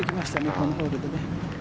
このホールでね。